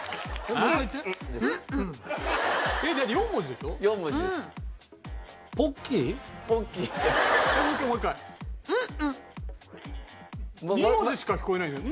２文字しか聞こえないけど。